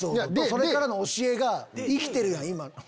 それからの教えが生きてるやん。